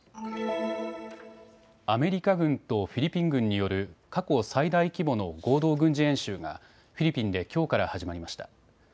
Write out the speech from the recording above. アメリカ軍とフィリピン軍による過去最大規模の合同軍事演習が、フィリピンできょうから始まりました。